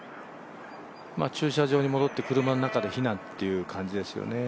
駐車場に戻って車の中で避難という感じですよね。